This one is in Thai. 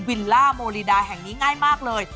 วิลล่าโมลีดาแห่งนี้ง่ายมากเลย